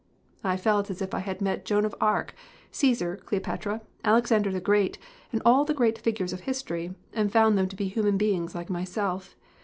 "I felt as if I had met Joan of Arc, Caesar, Cleopatra, Alexander the Great, and all the great figures of history, and found them to be human beings like myself.